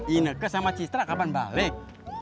ini kes sama istri kapan balik